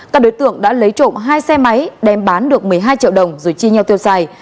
các đối tượng đã lấy trộm hai xe máy đem bán được một mươi hai triệu đồng rồi chia nhau tiêu xài